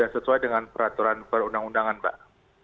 sesuai dengan peraturan perundang undangan mbak